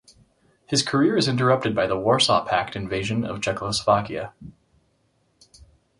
His career is interrupted by the Warsaw Pact invasion of Czechoslovakia.